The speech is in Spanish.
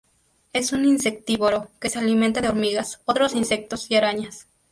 Es un insectívoro que se alimenta de hormigas, otros insectos y arañas.